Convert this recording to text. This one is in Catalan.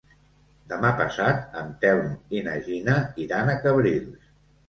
Demà passat en Telm i na Gina iran a Cabrils.